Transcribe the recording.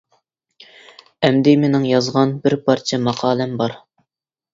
ئەمدى مىنىڭ يازغان بىر پارچە ماقالەم بار.